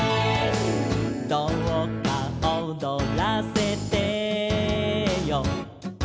「どうか踊らせてよ」